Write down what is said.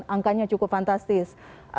angkanya cukup fantastis